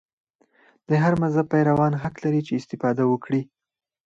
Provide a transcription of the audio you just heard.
د هر مذهب پیروان حق لري چې استفاده وکړي.